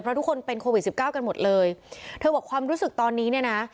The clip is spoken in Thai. เพราะทุกคนเป็นโควิดสิบเก้ากันหมดเลยเธอบอกความรู้สึกตอนนี้เนี่ยนะ